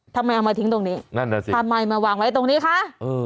ทำไมเอามาทิ้งตรงนี้นั่นน่ะสิทำไมมาวางไว้ตรงนี้คะเออ